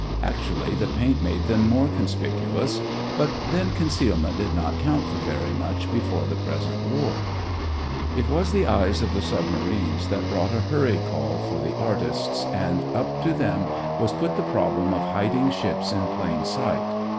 Actually the paint made them more conspicuous; but, then, concealment did not count for very much before the present war. It was the eyes of the submarines that brought a hurry call for the artists, and up to them was put the problem of hiding ships in plain sight.